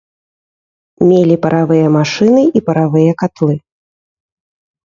Мелі паравыя машыны і паравыя катлы.